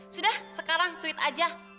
sudah sekarang sweet aja